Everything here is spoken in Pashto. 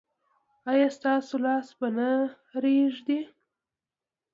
ایا ستاسو لاس به نه ریږدي؟